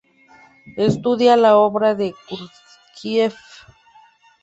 Estudia la obra de Gurdjieff.